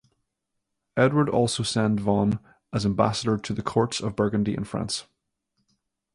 Edward also sent Vaughan as ambassador to the courts of Burgundy and France.